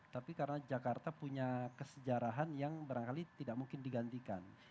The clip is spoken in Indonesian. tapi karena jakarta punya kesejarahan yang barangkali tidak mungkin digantikan